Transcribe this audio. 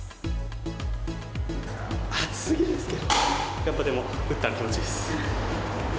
暑いですけど、やっぱでも、打ったら気持ちいいです。